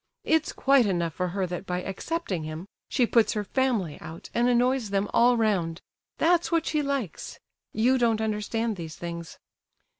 It's quite enough for her that by accepting him she puts her family out and annoys them all round—that's what she likes. You don't understand these things."